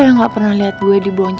maafin bokap gua